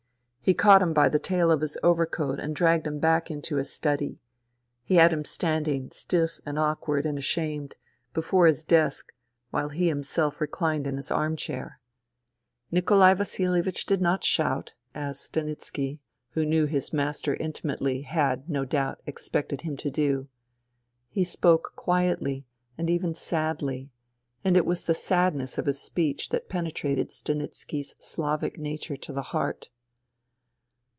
He caught him by the tail of his overcoat and dragged him back into his study. He had him standings stiff and av^'kward and ashamed, before his desk, wJnle 'he himself reclined in his arm chair. .:;. Nikolai Vasihevich did not shout, as Stanitski, who knew his master intimately, had, no doubt, expected him to do. He spoke quietly and even sadly ; and it was the sadness of his speech that penetrated Stanitski' s Slavic nature to the heart.